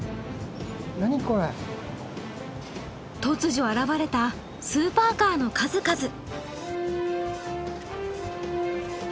突如現れたスーパーカーの数々。